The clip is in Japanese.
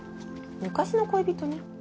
昔の恋人に？